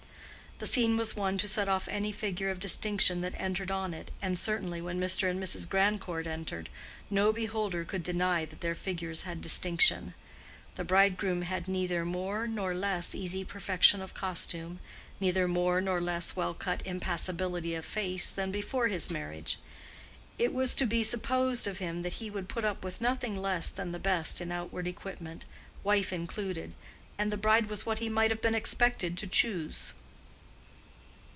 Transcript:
The scene was one to set off any figure of distinction that entered on it, and certainly when Mr. and Mrs. Grandcourt entered, no beholder could deny that their figures had distinction. The bridegroom had neither more nor less easy perfection of costume, neither more nor less well cut impassibility of face, than before his marriage. It was to be supposed of him that he would put up with nothing less than the best in outward equipment, wife included; and the bride was what he might have been expected to choose.